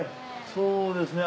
そうですね。